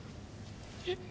えっ？